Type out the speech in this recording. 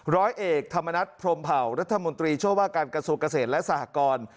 ร้อยเอกธรรมนัฐพรมเผารัฐมนตรีช่วยว่าการกระทรวงเกษตรและสหกร